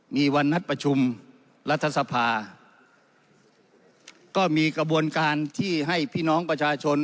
มีวันนัดประชุมรัฐสภาก็มีกระบวนการที่ให้พี่น้องประชาชน